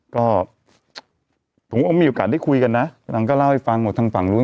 ก็ผมก็มีโอกาสได้คุยกันนะนางก็เล่าให้ฟังหมดทางฝั่งนู้น